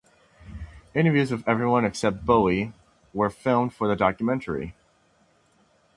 Interviews with everyone except Bowie were filmed for the documentary.